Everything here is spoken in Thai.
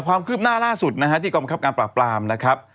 ความคืบหน้าล่าสุดนะฮะที่กองบังคับการปราบปรามนะครับ